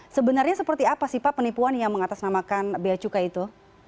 sebenarnya seperti apa sih pak penipuan yang mengatasnamakan beacukai itu